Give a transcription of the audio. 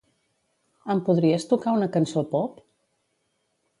Em podries tocar una cançó pop?